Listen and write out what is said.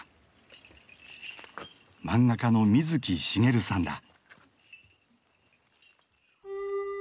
漫画家の水木しげるさんだ。